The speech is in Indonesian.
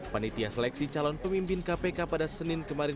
panitia seleksi calon pemimpin kpk pada senin kemarin